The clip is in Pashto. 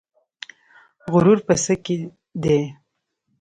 غرور په څه کې دی؟